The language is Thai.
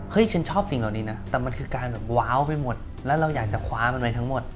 ฉันชอบสิ่งเหล่านี้นะแต่มันคือการแบบว้าวไปหมดแล้วเราอยากจะคว้ามันไว้ทั้งหมด